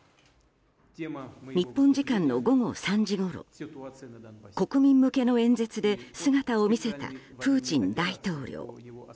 日本時間の午後３時ごろ国民向けの演説で姿を見せたプーチン大統領。